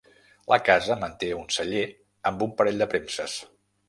La casa manté un celler amb un parell de premses.